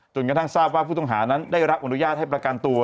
จนกระทั่งทราบว่าผู้ต้องหานั้นได้รับอนุญาตให้ประกันตัว